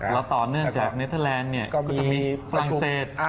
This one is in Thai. แล้วต่อเนื่องจากเนเทอร์แลนด์ก็จะมีฝรั่งเศส